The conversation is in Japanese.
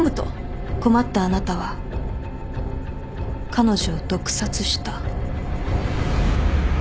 困ったあなたは彼女を毒殺した。